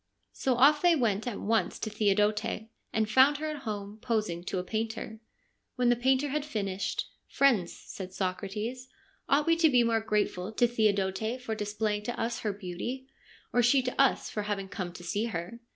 So off they went at once to Theodote, and found her at home, posing to a painter. When the painter had finished, ' Friends,' said Socrates, ' ought we to be more grateful to Theodote for displaying to us her beauty, or she to us for having come to see her